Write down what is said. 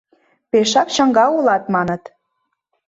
— Пешак чаҥга улат, маныт.